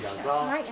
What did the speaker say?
はい。